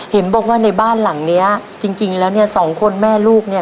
เห็นบอกว่าในบ้านหลังเนี้ยจริงจริงแล้วเนี่ยสองคนแม่ลูกเนี่ย